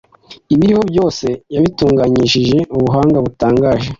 Ibiriho byose yabitunganyishije ubuhanga butangaje,